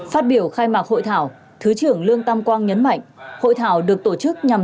phát biểu khai mạc hội thảo thứ trưởng lương tam quang nhấn mạnh hội thảo được tổ chức nhằm